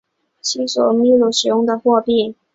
新索尔是秘鲁目前使用的货币。